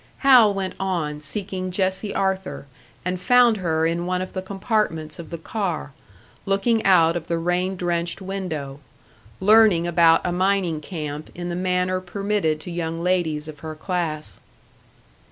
Hal went on, seeking Jessie Arthur, and found her in one of the compartments of the car, looking out of the rain drenched window learning about a mining camp in the manner permitted to young ladies of her class.